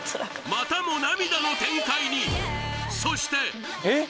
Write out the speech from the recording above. またも涙の展開にそしてえっ！？